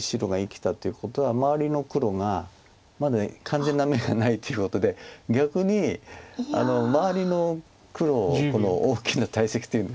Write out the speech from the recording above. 白が生きたってことは周りの黒がまだ完全な眼がないっていうことで逆に周りの黒この大きな大石っていうんですか。